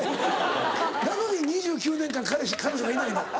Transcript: なのに２９年間彼氏彼女がいないの？